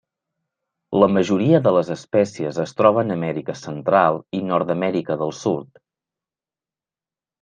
La majoria de les espècies es troben a Amèrica Central i nord d'Amèrica del Sud.